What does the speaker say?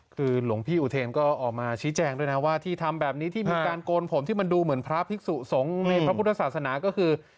คือหลวงพี่อุเทนก็ออกมาชี้แจงด้วยนะว่าที่ทำแบบนี้ที่มีการโกนผมที่มันดูเหมือนพระภิกษุสงฆ์ในพระพุทธศาสนาก็คือ